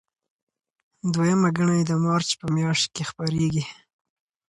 دویمه ګڼه یې د مارچ په میاشت کې خپریږي.